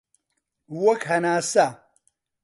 وەک هەناسە